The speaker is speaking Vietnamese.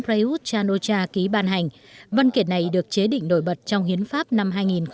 prayuth chan ocha ký ban hành văn kiện này được chế định nổi bật trong hiến pháp năm hai nghìn một mươi bảy